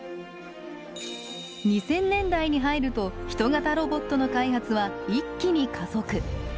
２０００年代に入ると人型ロボットの開発は一気に加速。